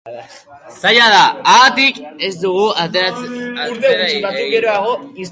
Zaila da, haatik, ez dugu atzera egingo.